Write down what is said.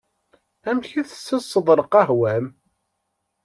Amek i tsesseḍ lqahwa-m?